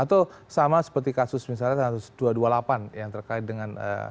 atau sama seperti kasus misalnya satu ratus dua puluh delapan yang terkait dengan